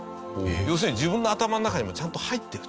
要するに自分の頭の中にもうちゃんと入ってると。